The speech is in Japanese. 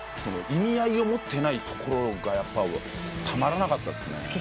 意味合いを持ってないところがたまらなかったっすね。